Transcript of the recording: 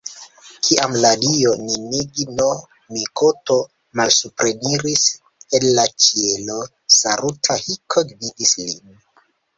Kiam la dio Ninigi-no-mikoto malsupreniris el la ĉielo, Saruta-hiko gvidis lin.